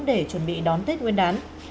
để chuẩn bị đón tết nguyên đán